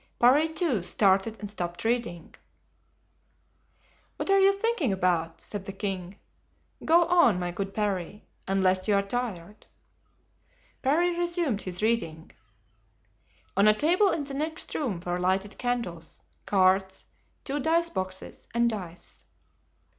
Parry, too, started and stopped reading. "What are you thinking about?" said the king; "go on, my good Parry, unless you are tired." Parry resumed his reading. On a table in the next room were lighted candles, cards, two dice boxes, and dice.